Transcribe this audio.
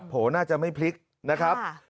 โน่าจะไม่พลิกนะครับ